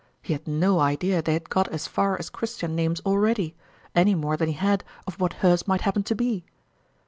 lie had no idea they had got as far as Christian names already, any more than he had of what hers might hap pen to be.